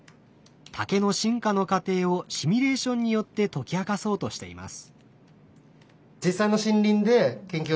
竹の進化の過程をシミュレーションによって解き明かそうとしています。